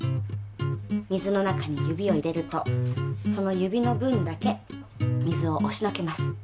水の中に指を入れるとその指の分だけ水をおしのけます。